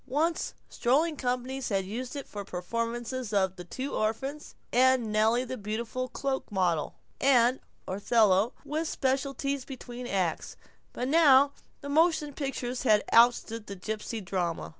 Once, strolling companies had used it for performances of "The Two Orphans," and "Nellie the Beautiful Cloak Model," and "Othello" with specialties between acts, but now the motion pictures had ousted the gipsy drama.